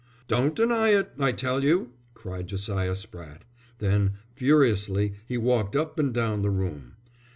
"Don't deny it, I tell you," cried Josiah Spratte. Then, furiously, he walked up and down the room.